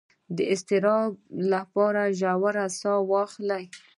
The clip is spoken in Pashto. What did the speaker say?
د اضطراب لپاره ژوره ساه واخلئ